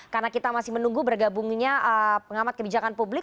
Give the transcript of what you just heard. karena kita masih menunggu bergabungnya pengamat kebijakan publik